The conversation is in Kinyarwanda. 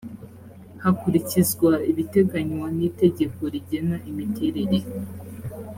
hakurikizwa ibiteganywa n itegeko rigena imiterere